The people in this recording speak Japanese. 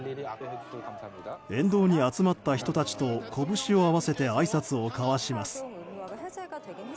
沿道に集まった人たちと拳を合わせてあいさつを交わします。